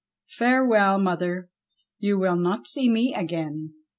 Farewell, mother, you will not see me again."